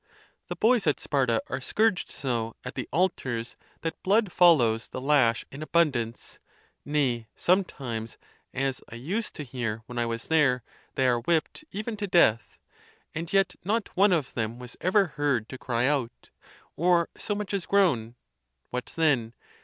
The boys at Sparta are scourged so at the altars that blood follows the lash in abundance; nay, sometimes, as I used to hear when I was there, they are whipped even to death; and yet not one of them was ever heard to cry out, or so much as groan. What, then?